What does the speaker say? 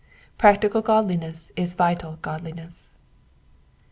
Practical godliness is vital godliness.